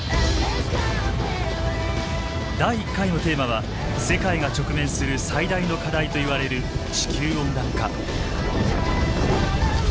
第１回のテーマは世界が直面する最大の課題といわれる地球温暖化。